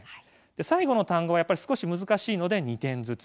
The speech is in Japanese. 最後の単語はやっぱり少し難しいので２点ずつ。